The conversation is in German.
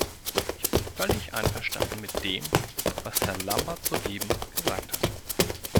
Ich bin völlig einverstanden mit dem, was Herr Lambert soeben gesagt hat.